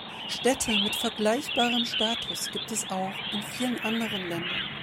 Städte mit vergleichbarem Status gibt es auch in vielen anderen Ländern.